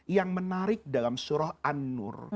yang menarik dalam surah an nur